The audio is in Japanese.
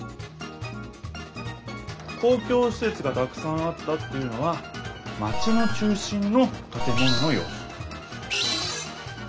「公共しせつがたくさんあった」っていうのはまちの中心のたて物のようす。